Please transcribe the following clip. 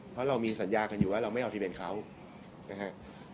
เพราะเรามีสัญญากันอยู่ว่าเราไม่เอาทะเบียนเขานะครับ